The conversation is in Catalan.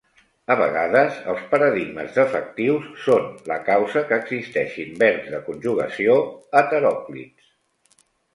A vegades els paradigmes defectius són la causa que existeixin verbs de conjugació heteròclits.